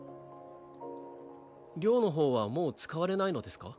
寮の方はもう使われないのですか？